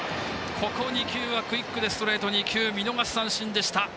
ここ２球はクイックでストレート２球見逃し三振でした。